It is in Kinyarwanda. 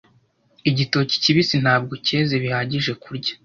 Igitoki kibisi ntabwo cyeze bihagije kurya.